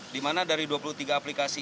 dimana dari dua puluh tiga aplikasi